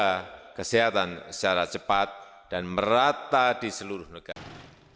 dan juga kesehatan secara cepat dan merata di seluruh negara